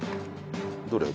どれ？